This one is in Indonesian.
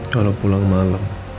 kalau pulang malam